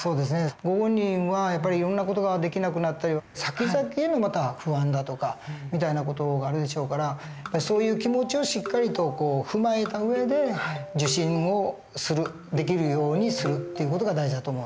ご本人はやっぱりいろんな事ができなくなったりさきざきへの不安だとかみたいな事があるでしょうからそういう気持ちをしっかりと踏まえた上で受診をするできるようにするっていう事が大事だと思うんです。